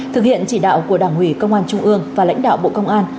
thực hiện chỉ đạo của đảng ủy công an trung ương và lãnh đạo bộ công an